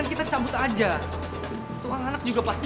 lo tuh aneh banget sih